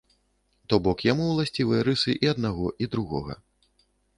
То бок, яму ўласцівыя рысы і аднаго і другога.